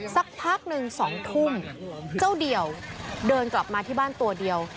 สักพักหนึ่ง๒ทุ่มเจ้าเดี่ยวเดินกลับมาที่บ้านตัวเดียว